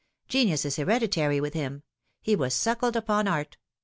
Genius is hereditary with him ; he was suckled upon art.